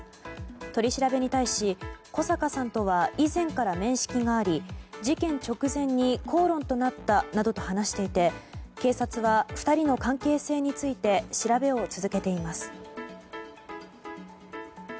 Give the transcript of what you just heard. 取り調べに対し小阪さんとは以前から面識があり事件直前に口論となったなどと話していて警察は２人の関係性について調べを続けています。